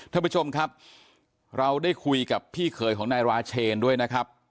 ท่านผู้ชมครับเราได้คุยกับพี่เขยของนายราเชนด้วยนะครับ